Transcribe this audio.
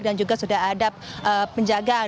dan juga sudah ada penjagaan